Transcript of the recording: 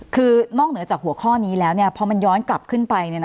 คือนอกเหนือจากหัวข้อนี้แล้วพอมันย้อนกลับขึ้นไป